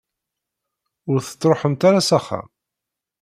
Ur tettruḥumt ara s axxam?